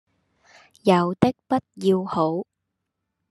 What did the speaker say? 有的不要好，